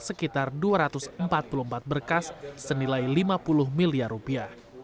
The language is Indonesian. sekitar dua ratus empat puluh empat berkas senilai lima puluh miliar rupiah